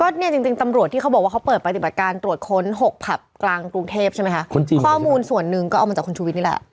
ส่วนหนึ่งก็เอามาจากคุณชุวิตนี่แหละ